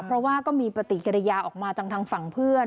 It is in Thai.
เพราะว่าก็มีปฏิกิริยาออกมาจากทางฝั่งเพื่อน